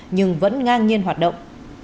nhưng vẫn ngang nhiên hoạt động